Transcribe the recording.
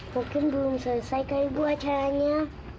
mungkin belum selesai kali ibu acaranya